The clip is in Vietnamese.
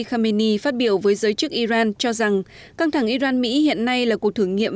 khameni phát biểu với giới chức iran cho rằng căng thẳng iran mỹ hiện nay là cuộc thử nghiệm